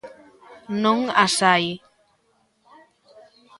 Non as hai.